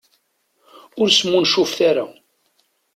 Ur smuncufet ara.